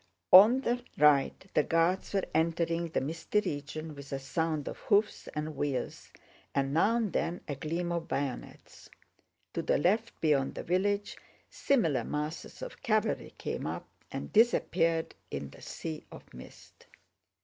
On the right the Guards were entering the misty region with a sound of hoofs and wheels and now and then a gleam of bayonets; to the left beyond the village similar masses of cavalry came up and disappeared in the sea of mist.